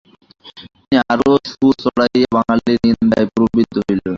তিনি আরো সুর চড়াইয়া বাঙালির নিন্দায় প্রবৃত্ত হইলেন।